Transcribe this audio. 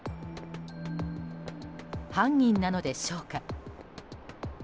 犯人なのでしょうか。